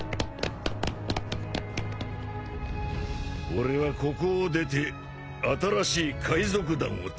俺はここを出て新しい海賊団をつくる。